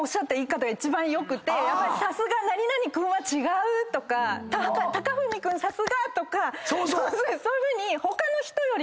やっぱり「さすが何々君は違う」とか「高文君さすが！」とかそういうふうに。